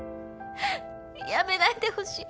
やめないでほしい。